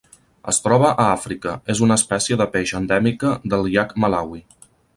Es troba a Àfrica: és una espècie de peix endèmica del Llac Malawi.